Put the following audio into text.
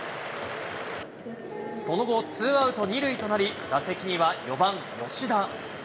その後、ツーアウト２塁となり、打席には４番吉田。